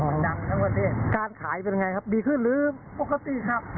ดังทั้งประเทศการขายเป็นยังไงครับดีขึ้นหรือปกติครับ